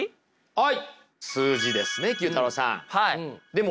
はい。